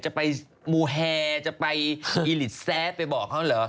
จะไปมูแฮจะไปอีลิตแซดไปบอกเขาเหรอ